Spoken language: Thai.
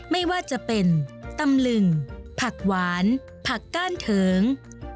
ไม่ว่าจะเป็นตำลึงผักหวานผักก้านเถิง